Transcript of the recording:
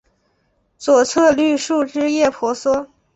左侧绿树枝叶婆娑